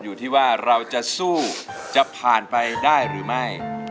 อยู่ที่ว่าเราจะสู้จะผ่านไปได้หรือไม่